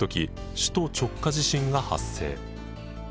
首都直下地震が発生。